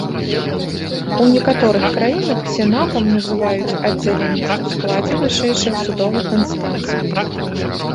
У некаторых краінах сенатам называюць аддзялення ў складзе вышэйшых судовых інстанцый.